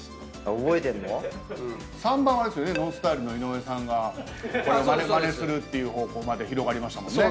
ＮＯＮＳＴＹＬＥの井上さんがまねするっていう方向まで広がりましたもんね。